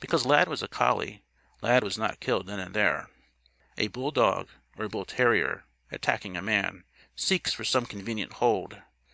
Because Lad was a collie, Lad was not killed then and there. A bulldog or a bull terrier, attacking a man, seeks for some convenient hold.